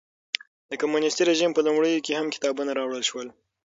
د کمونېستي رژیم په لومړیو کې هم کتابونه راوړل شول.